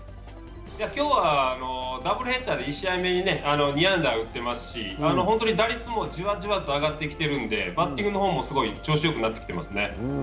今日はダブルヘッダーで１試合目に２安打打ってますしホントに打率もじわじわと上がってきているのでバッティングの方もすごい調子よくなってきてますね。